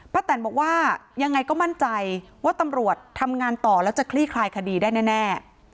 แตนบอกว่ายังไงก็มั่นใจว่าตำรวจทำงานต่อแล้วจะคลี่คลายคดีได้แน่